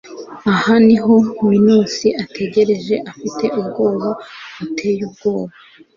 Aha niho Minos ategereje afite ubwoba buteye ubwoba